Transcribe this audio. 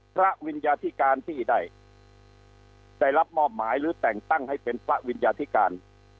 วิญญาธิการที่ได้รับมอบหมายหรือแต่งตั้งให้เป็นพระวิญญาธิการ